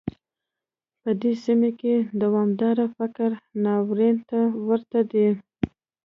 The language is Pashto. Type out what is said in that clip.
په دې سیمه کې دوامداره فقر ناورین ته ورته دی.